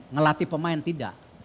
ngelatih pemain tidak